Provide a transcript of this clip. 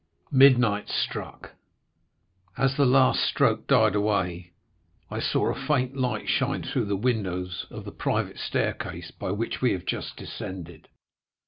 Midnight struck. As the last stroke died away, I saw a faint light shine through the windows of the private staircase by which we have just descended.